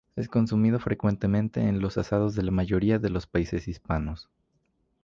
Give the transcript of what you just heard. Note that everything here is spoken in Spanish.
Es consumido frecuentemente en los asados de la mayoría de los países hispanos.